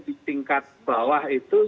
di tingkat bawah itu